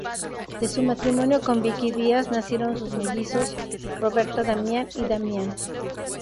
De su matrimonio con Vicky Díaz, nacieron sus mellizos, Roberta Damián y Damián.